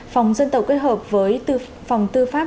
phòng dân tộc kết hợp với phòng tư pháp